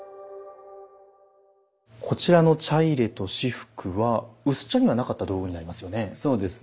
こちらの茶入と仕覆は薄茶にはなかった道具になりますよね。